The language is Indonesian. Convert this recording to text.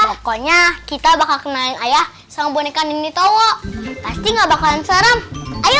pokoknya kita bakal kenalin ayah sama boneka nini tawong pasti nggak bakalan serem ayo